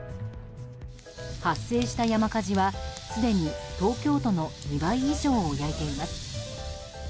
発生した山火事はすでに東京都の２倍以上を焼いています。